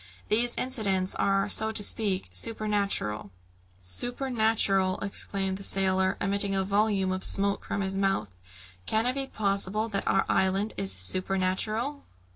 These incidents are, so to speak, supernatural " "Supernatural!" exclaimed the sailor, emitting a volume of smoke from his mouth. "Can it be possible that our island is supernatural?"